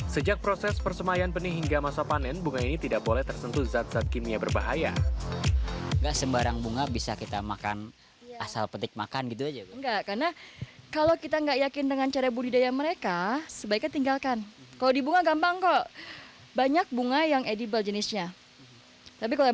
sejak proses persemayan benih hingga masa panen bunga ini tidak boleh tersentuh zat zat kimia berbahaya